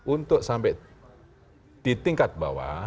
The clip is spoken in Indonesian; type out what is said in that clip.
untuk sampai di tingkat bawah